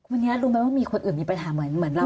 วันนี้รู้ไหมว่ามีคนอื่นมีปัญหาเหมือนเรา